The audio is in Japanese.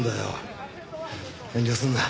遠慮すんな。